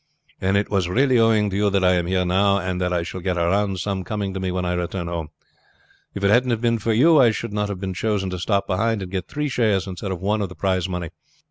And it was really owing to you that I am here now, and that I shall get a round sum coming to me when I return home. If it hadn't been for you I should not have been chosen to stop behind and get three shares instead of one of the prize money.